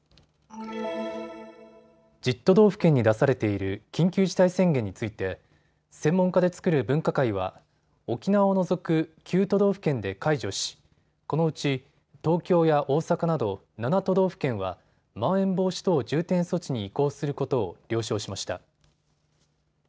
都道府県に出されている緊急事態宣言について専門家で作る分科会は沖縄を除く、９都道府県で解除しこのうち東京や大阪など７都道府県はまん延防止等重点措置に移行することを了承しました。